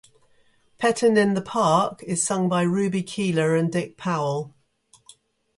"Pettin' in the Park" is sung by Ruby Keeler and Dick Powell.